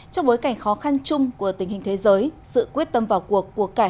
trong bối cảnh khó khăn chung của tình hình thế giới sự quyết tâm vào cuộc